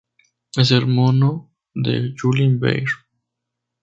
Es hermano de Julien Baer.